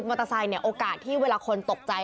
มอเตอร์ไซค์เนี่ยโอกาสที่เวลาคนตกใจ